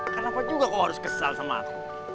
kenapa juga kau harus kesal sama aku